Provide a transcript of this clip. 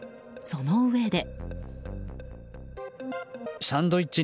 そのうえで。